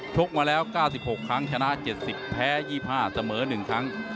กมาแล้ว๙๖ครั้งชนะ๗๐แพ้๒๕เสมอ๑ครั้ง